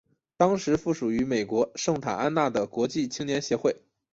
当时附属于美国圣塔安娜的国际青年协会。